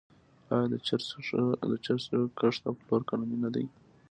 آیا د چرسو کښت او پلور قانوني نه دی؟